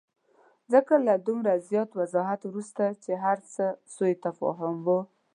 ځکه له دومره زیات وضاحت وروسته چې هرڅه سوءتفاهم وو.